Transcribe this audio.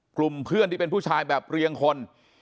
กลุ่มเพื่อนที่เป็นผู้ชายแบบเรียงคน